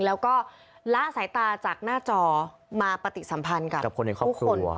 แล้วก็ล่าสายตาจากหน้าจอมาปฏิสัมพันธ์กับผู้คน